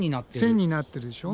線になってるでしょ。